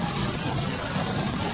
kota yang terkenal dengan